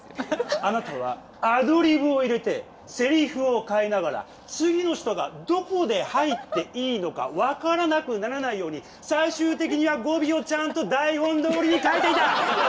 あなたはアドリブを入れてせりふを変えながら次の人がどこで入っていいのか分からなくならないように最終的には語尾をちゃんと台本どおりにかえていた。